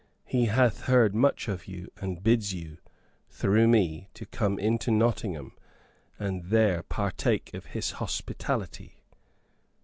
He hath heard much of you, and bids you, through me, to come into Nottingham and there partake of his hospitality."